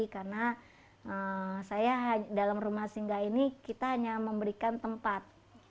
karena saya dalam rumah singga ini kita hanya memberikan tempat